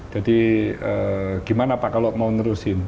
jadi gimana pak kalau mau terusin